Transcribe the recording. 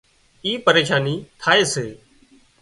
اين پريشانِي ٿائي سي